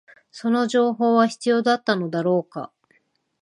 その情報は必要だったのだろうか